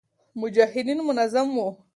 مجاهدین منظم و